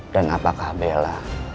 dan apakah bella